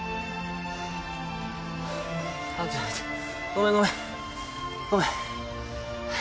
ごめんごめんごめん。